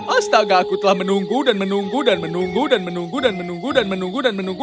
astaga aku telah menunggu dan menunggu dan menunggu dan menunggu dan menunggu dan menunggu dan menunggu